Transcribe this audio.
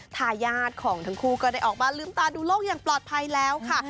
ทายาทของทั้งคู่ก็ได้ออกมาลืมตาดูโลกอย่างปลอดภัยแล้วค่ะ